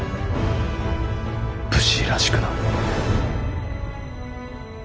武士らしくな。